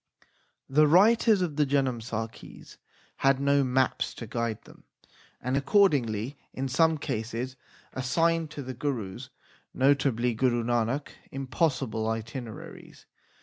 The writers of the Janamsakhis had no maps to guide them, and accordingly in some cases assigned to the Gurus, notably Guru Nanak, impossible itineraries.